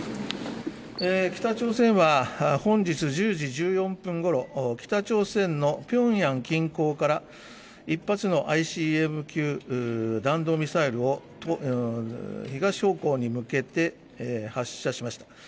北朝鮮は、本日１０時１４分ごろ、北朝鮮のピョンヤン近郊から、１発のＩＣＢＭ級弾道ミサイルを東方向に向けて発射しました。